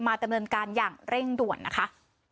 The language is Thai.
ดำเนินการอย่างเร่งด่วนนะคะ